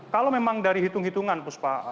kalau memang dari hitung hitungan puspa